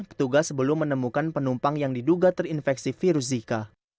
petugas sebelum menemukan penumpang yang diduga terinfeksi virus zika